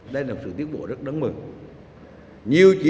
đây là sự tiến bộ rất đáng mừng